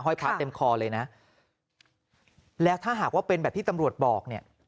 พระเต็มคอเลยนะแล้วถ้าหากว่าเป็นแบบที่ตำรวจบอกเนี่ย